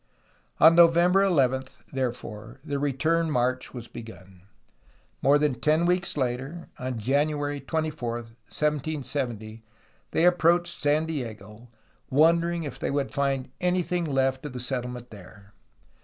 On November 11, therefore, the return march was begun. More than ten weeks later, on January 24, 1770, they approached San Diego, wondering if they would find any thing left of the settlement there.